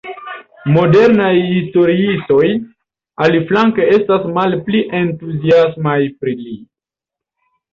Modernaj historiistoj, aliflanke, estas malpli entuziasmaj pri li.